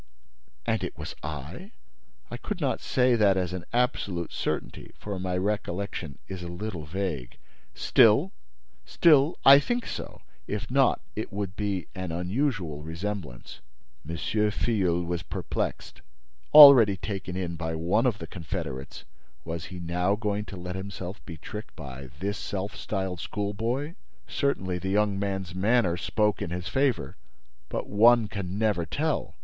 "And it was I?" "I could not say that as an absolute certainty, for my recollection is a little vague. Still—still, I think so—if not, it would be an unusual resemblance—" M. Filleul was perplexed. Already taken in by one of the confederates, was he now going to let himself be tricked by this self styled schoolboy? Certainly, the young man's manner spoke in his favor; but one can never tell!